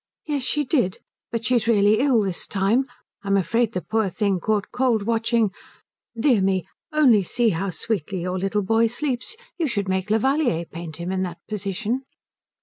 "Yes, she did. But she's really ill this time. I'm afraid the poor thing caught cold watching dear me, only see how sweetly your little boy sleeps. You should make Levallier paint him in that position."